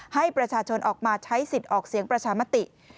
ให้ประชาชนออกมาใช้สิทธิ์ออกเสียงประชามติ